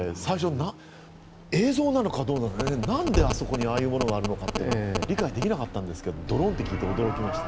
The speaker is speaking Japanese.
映像なのかどうなのかなんであそこにああいうものがあるのか理解できなかったんですけどドローンって聞いて驚きました。